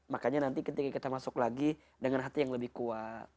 makanya nanti ketika kita masuk lagi dengan hati yang lebih kuat